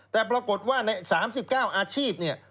แต่ปรากฏว่าใน๓๙อาชีพเนี่ย